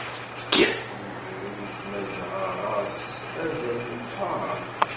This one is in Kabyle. Amezruy n Tmazɣa ɣer-s azal meqqer.